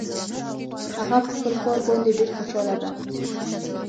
هغه په خپل کار باندې ډېر خوشحاله ده